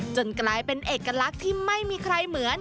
กลายเป็นเอกลักษณ์ที่ไม่มีใครเหมือน